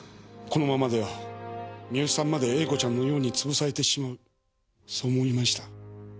このままでは三好さんまで詠子ちゃんのように潰されてしまうそう思いました。